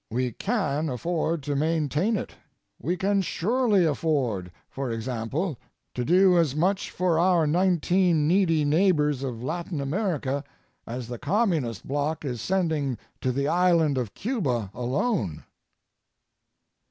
We can afford to maintain it. We can surely afford, for example, to do as much for our 19 needy neighbors of Latin America as the Communist bloc is sending to the island of Cuba alone.